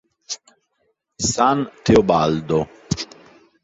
San Teobaldo